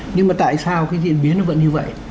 nhưng mà tại sao cái diễn biến nó vẫn như vậy